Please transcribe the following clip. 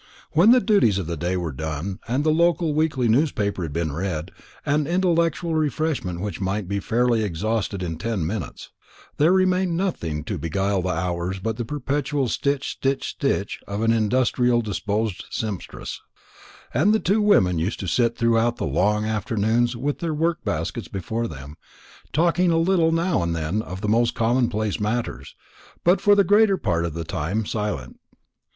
When the duties of the day were done, and the local weekly newspaper had been read an intellectual refreshment which might be fairly exhausted in ten minutes there remained nothing to beguile the hours but the perpetual stitch stitch stitch of an industriously disposed sempstress; and the two women used to sit throughout the long afternoons with their work baskets before them, talking a little now and then of the most commonplace matters, but for the greater part of their time silent.